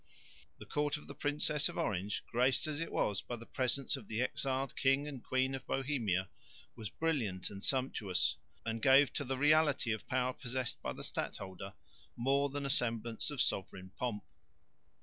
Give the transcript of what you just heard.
The Court of the Princess of Orange, graced as it was by the presence of the exiled King and Queen of Bohemia, was brilliant and sumptuous, and gave to the reality of power possessed by the stadholder more than a semblance of sovereign pomp.